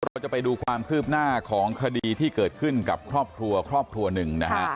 เราจะไปดูความคืบหน้าของคดีที่เกิดขึ้นกับครอบครัวครอบครัวหนึ่งนะฮะ